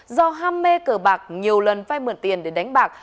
do ham mê cờ bạc nhiều lần vay mượn tiền để đánh bạc